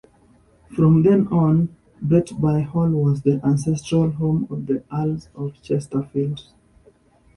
From then on, Bretby Hall was the ancestral home of the Earls of Chesterfield.